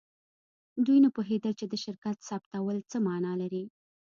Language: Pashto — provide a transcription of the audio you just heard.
دوی نه پوهیدل چې د شرکت ثبتول څه معنی لري